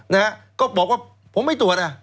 นะฮะก็บอกว่าผมไม่ตรวจอ่ะ